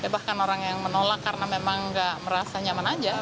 bahkan orang yang menolak karena memang nggak merasa nyaman aja